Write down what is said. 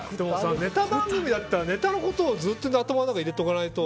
ネタ番組だったらネタのことをずっと頭の中に入れておかないと。